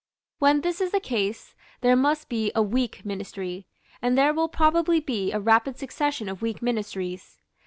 When this is the case, there must be a weak Ministry; and there will probably be a rapid succession of weak Ministries.